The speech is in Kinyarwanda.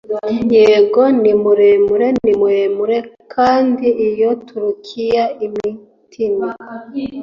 Yego ni muremure ni muremure kandi iyo Turukiya imitini